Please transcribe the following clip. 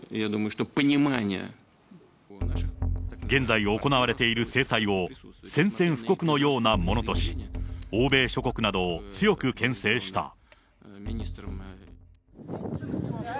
現在行われている制裁を、宣戦布告のようなものとし、欧米諸国などを強くけん制した。